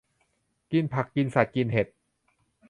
กินผัก กินสัตว์ กินเห็ด